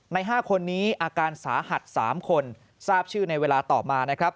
ใน๕คนนี้อาการสาหัส๓คนทราบชื่อในเวลาต่อมานะครับ